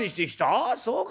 ああそうか！